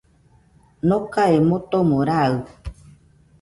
Nokae motomo raɨ,